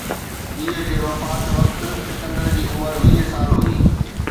پيءُ جي وفات وقت سڪندر جي عمر ويهه سال هئي